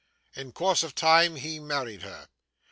In course of time, he married her.